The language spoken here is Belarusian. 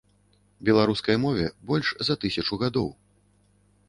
Беларускай мове больш за тысячу гадоў.